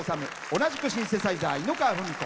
同じくシンセサイザー、猪川史子。